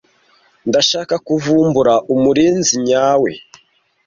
ndashaka kuvumbura umurinzi nyawe